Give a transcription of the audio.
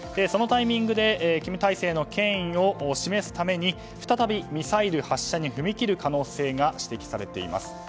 そのタイミングで金体制の権威を示すために再びミサイル発射に踏み切る可能性が指摘されています。